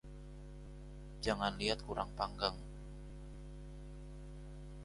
Jangat liat kurang panggang